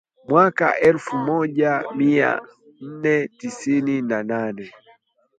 mwaka elfu moja miaa nne tisini na nane